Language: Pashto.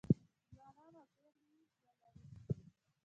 ځوانان او پېغلې ولرو